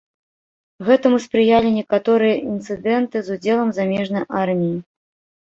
Гэтаму спрыялі некаторыя інцыдэнты з удзелам замежнай арміі.